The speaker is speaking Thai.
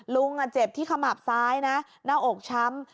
เจ็บที่ขมับซ้ายนะหน้าอกช้ำ